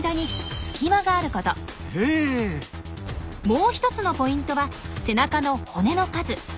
もう１つのポイントは背中の骨の数。